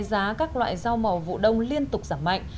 giá các loại rau màu vụ đông liên tục giảm mạnh